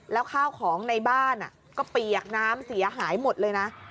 แล้วข้าวของในบ้านก็เปียกน้ำเสียหายหมดเลยนะ